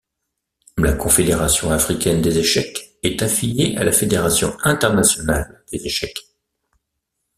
La Confédération africaine des échecs est affiliée à la Fédération internationale des échecs.